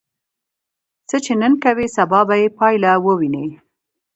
څه چې نن کوې، سبا به یې پایله ووینې.